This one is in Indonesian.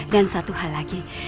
dan satu hal lagi